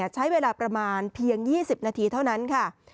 ใช้เวลาประมาณเพียง๒๐นาทีเท่านั้นค่ะ